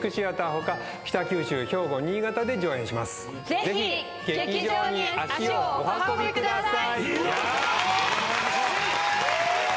ぜひ劇場に足をお運びください。